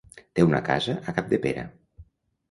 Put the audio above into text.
Té una casa a Capdepera.